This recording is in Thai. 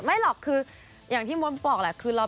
ไม่หรอกคืออย่างที่มดบอกแหละ